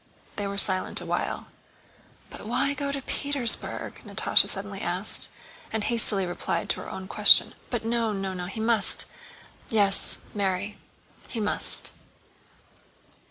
They were silent awhile. "But why go to Petersburg?" Natásha suddenly asked, and hastily replied to her own question. "But no, no, he must... Yes, Mary, He must...."